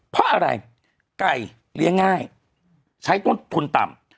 เพราะอะไรไก่เลี้ยงง่ายใช้ต้นทุนต่ำ